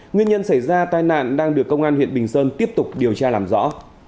nguyên nhân xảy ra tai nạn đang được công an huyện bình sơn tiếp tục điều tra làm rõ